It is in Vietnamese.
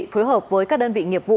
phối hợp với các đơn vị nghiệp vụ